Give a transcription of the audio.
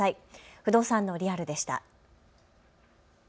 不動産のリアルでした。